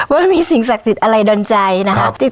ว่ามันมีสิ่งศักดิ์สิทธิ์อะไรดนใจนะคะ